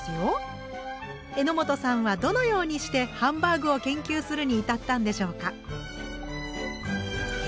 榎本さんはどのようにしてハンバーグを研究するに至ったんでしょうか？